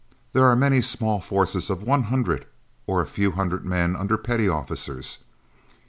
There are many small forces of 100 or a few hundred men under petty officers.